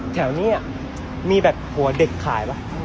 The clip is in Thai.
แถวนี้มีแบบหัวเด็กขายป่ะ